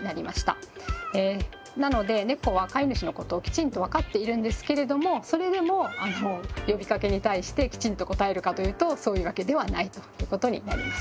なのでネコは飼い主のことをきちんと分かっているんですけれどもそれでも呼びかけに対してきちんと応えるかというとそういうわけではないということになります。